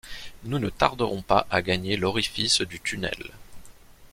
Nous ne tarderons pas à gagner l’orifice du tunnel.